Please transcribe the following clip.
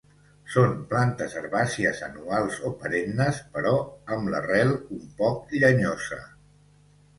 Són plantes herbàcies anuals o perennes però amb la rel un poc llenyosa.